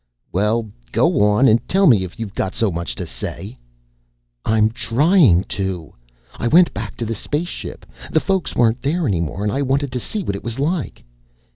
"Well, go on and tell me if you've got so much to say." "I'm trying to. I went back to the space ship. The folks weren't there anymore and I wanted to see what it was like."